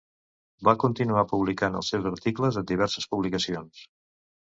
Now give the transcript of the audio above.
Va continuar publicant els seus articles en diverses publicacions.